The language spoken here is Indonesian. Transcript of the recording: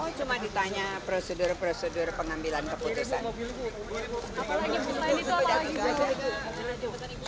oh cuma ditanya prosedur prosedur pengambilan keputusan